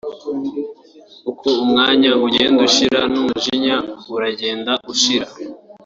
uko umwanya ugenda ushira n’umujinya uragenda ushira